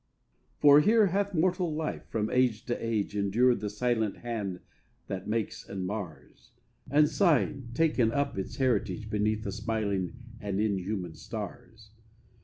For here hath mortal life from age to age Endured the silent hand that makes and mars, And, sighing, taken up its heritage Beneath the smiling and inhuman stars.